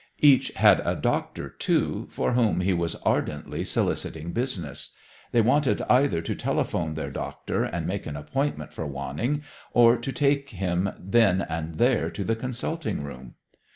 Each had a doctor, too, for whom he was ardently soliciting business. They wanted either to telephone their doctor and make an appointment for Wanning, or to take him then and there to the consulting room.